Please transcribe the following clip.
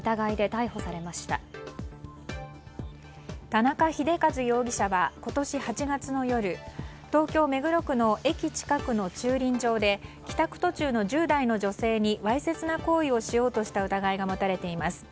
田中秀和容疑者は今年８月の夜、東京・目黒区の駅近くの駐輪場で帰宅途中の１０代の女性にわいせつな行為をしようとした疑いが持たれています。